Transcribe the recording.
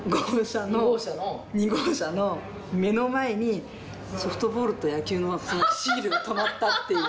そしたらそのソフトボールと野球のシールが止まったっていう。